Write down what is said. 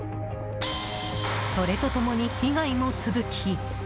それと共に被害も続き。